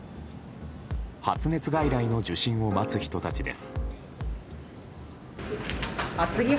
発熱外来の受診を待つ人たちです。